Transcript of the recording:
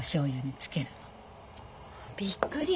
びっくり。